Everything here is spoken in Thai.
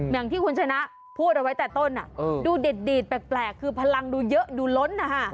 อย่างที่คุณชนะพูดเอาไว้แต่ต้นดูดีดแปลกคือพลังดูเยอะดูล้นนะฮะ